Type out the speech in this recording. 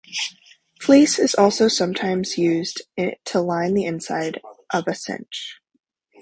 Fleece is also sometimes used to line the inside of a cinch.